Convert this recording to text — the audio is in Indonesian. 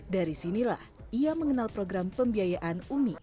dari sinilah ia mengenal program pembiayaan umi